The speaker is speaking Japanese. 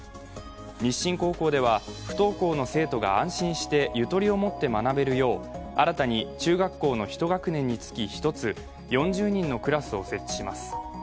日進高校では不登校の生徒が安心してゆとりをもって学べるよう新たに中学校の１学年につき１つ４０人のクラスを設置します。